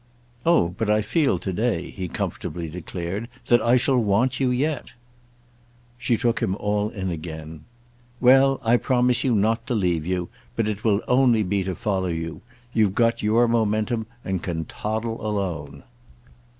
"Oh but I feel to day," he comfortably declared, "that I shall want you yet." She took him all in again. "Well, I promise you not again to leave you, but it will only be to follow you. You've got your momentum and can toddle alone."